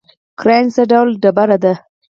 ګرانیټ څه ډول تیږه ده؟